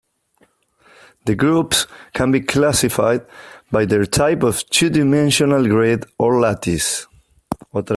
The groups can be classified by their type of two-dimensional grid or lattice.